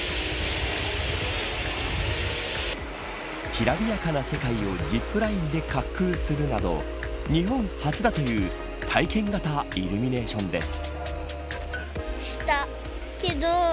きらびやかな世界をジップラインで滑空するなど日本初だという体験型イルミネーションです。